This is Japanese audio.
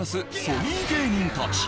ソニー芸人たち